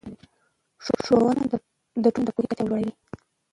ښوونه د ټولنې د پوهې کچه لوړه وي